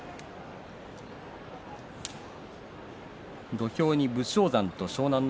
土俵に武将山と湘南乃